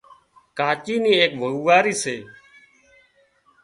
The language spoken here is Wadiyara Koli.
ڪاچي نِي ايڪ وئوئاري سي